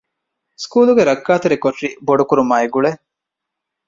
ސްކޫލުގެ ރައްކާތެރި ކޮޓަރި ބޮޑުކުރުމާއި ގުޅޭ